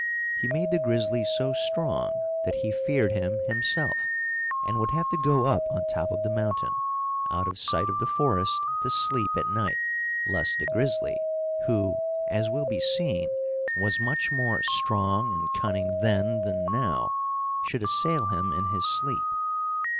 He made the grizzly so strong that he feared him himself, and would have to go up on top of the mountain out of sight of the forest to sleep at night, lest the grizzly, who, as will be seen, was much more strong and cunning then than now, should assail him in his sleep.